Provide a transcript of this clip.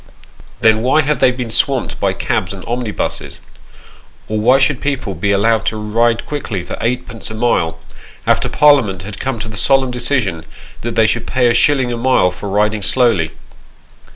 Then why have they been swamped by cabs and omnibuses ? Or why should people be allowed to ride quickly for eightpence a mile, after Parliament had come to the solemn decision that they should pay a shilling a mile for riding slowly